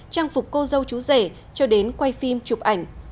trang phục cô dâu chú rể cho đến quay phim chụp ảnh